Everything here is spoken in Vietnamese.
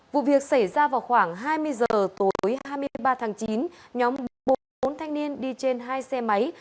vụ việc xảy ra vào khoảng hai mươi h tối hai mươi ba tháng chín nhóm bốn thanh niên đi trên hai xe máy